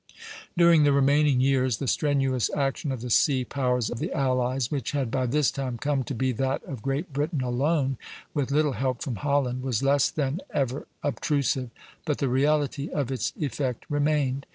During the remaining years the strenuous action of the sea power of the allies, which had by this time come to be that of Great Britain alone, with little help from Holland, was less than ever obtrusive, but the reality of its effect remained.